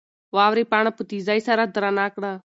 واورې پاڼه په تېزۍ سره درنه کړه.